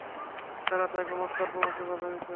তারা তাকে মক্কায় প্রবেশে বাঁধা দিত।